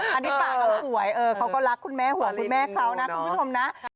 อันนี้ปากเราสวยเขาก็รักคุณแม่หวยคุณแม่เขานะคุณผู้ชมนะ